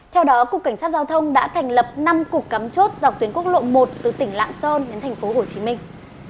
theo đó cục cảnh sát giao thông đã thành lập năm cục cắm chốt dọc tuyến quốc lộ một từ tỉnh lạng sơn đến thành phố hồ chí minh